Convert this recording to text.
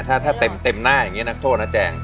ถ้าถ้าเต็มเต็มหน้าอย่างเงี้ยนักโทษนะแจง